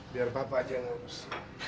biar papa aja yang harus